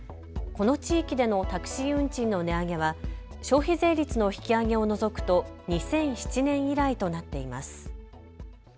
この地域このタクシー運賃の値上げは消費税率の引き上げを除くと２００７年以来となっています。